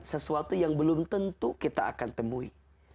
sesuatu yang belum tentu kita akan temui